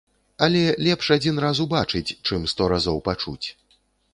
Але лепш адзін раз убачыць, чым сто разоў пачуць.